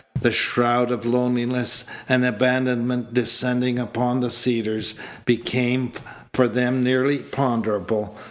The shroud of loneliness and abandonment descending upon the Cedars became for them nearly ponderable.